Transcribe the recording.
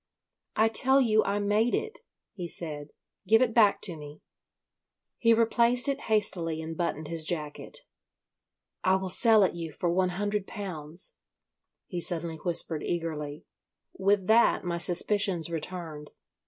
"I tell you I made it," he said. "Give it back to me." He replaced it hastily and buttoned his jacket. "I will sell it you for one hundred pounds," he suddenly whispered eagerly. With that my suspicions returned.